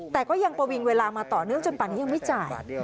แต่ก็ยังประวิงเวลามาต่อเนื่องจนป่านนี้ยังไม่จ่าย